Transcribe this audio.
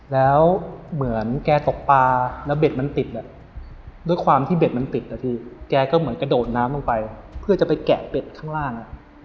แล้วเหมือนแกตกปลาแล้วเบ็ดมันติดแบบด้วยความที่เบ็ดมันติดนะพี่แกก็เหมือนกระโดดน้ำลงไปเพื่อจะไปแกะเป็ดข้างล่าง